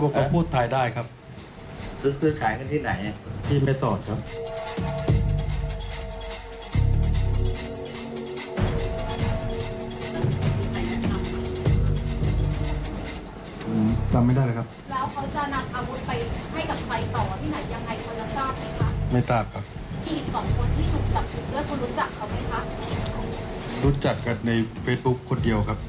รู้จักเขาไหมคะรู้จักกันในเฟซบุ๊คคนเดียวครับ